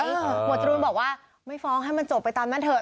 หมวดจรูนบอกว่าไม่ฟ้องให้มันจบไปตามนั้นเถอ